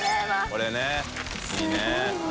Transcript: これねいいね。